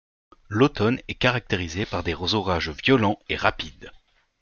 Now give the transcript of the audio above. L’automne est caractérisé par des orages violents et rapides.